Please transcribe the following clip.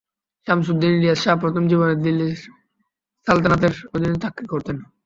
শামসুদ্দীন ইলিয়াস শাহ প্রথম জীবনে দিল্লির সালতানাতের অধীনে চাকরি করতেন।